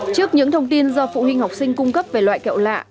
trước những thông tin do phụ huynh học sinh cung cấp về loại kẹo lạ